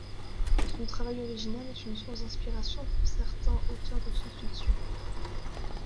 Son travail original est une source d'inspiration pour certains auteurs de science-fiction.